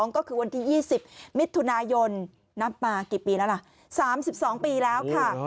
ก็คือวันที่๒๐มิถุนายนนับมากี่ปีแล้วล่ะ๓๒ปีแล้วค่ะ